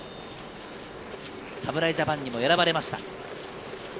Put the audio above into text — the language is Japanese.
侍ジャパンにも選ばれました。